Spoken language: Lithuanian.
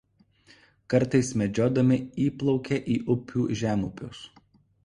Kartais medžiodami įplaukia į upių žemupius.